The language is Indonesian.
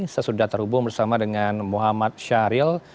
saya sudah terhubung bersama dengan muhammad syahril